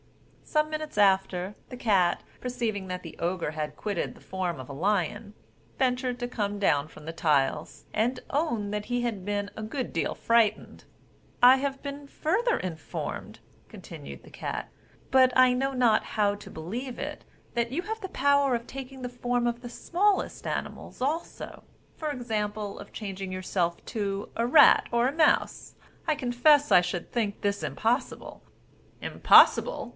Some minutes after, the cat perceiving that the Ogre had quitted the form of a lion, ventured to come down from the tiles, and owned that he had been a good deal frightened, "I have been further informed," continued the cat, "but I know not how to believe it, that you have the power of taking the form of the smallest animals also; for example of changing yourself to a rat or a mouse: I confess I should think this impossible." "Impossible!